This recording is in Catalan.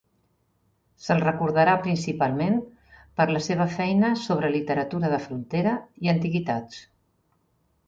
Se'l recordarà principalment per la seva feina sobre literatura de frontera i antiguitats.